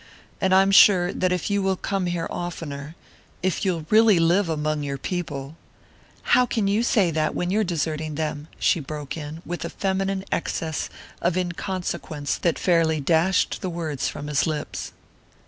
"And I'm sure that if you will come here oftener if you'll really live among your people " "How can you say that, when you're deserting them?" she broke in, with a feminine excess of inconsequence that fairly dashed the words from his lips.